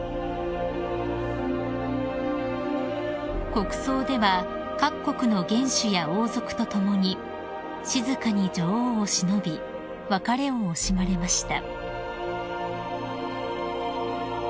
［国葬では各国の元首や王族と共に静かに女王をしのび別れを惜しまれました］